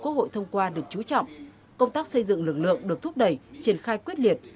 quốc hội thông qua được trú trọng công tác xây dựng lực lượng được thúc đẩy triển khai quyết liệt